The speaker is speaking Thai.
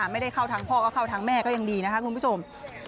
ไม่ได้เข้าทางพ่อก็เข้าทางแม่ก็ยังดีนะคะคุณผู้ชม